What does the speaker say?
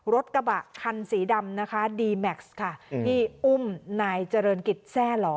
รถกระบะคันสีดำนะคะค่ะที่อุ้มนายเจริญกิจแทร่หลอ